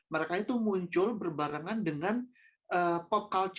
mereka itu muncul berbarengan dengan pop culture korea lainnya